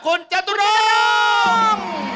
คุณจตุรง